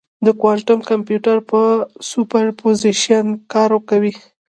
د کوانټم کمپیوټر په سوپرپوزیشن کار کوي.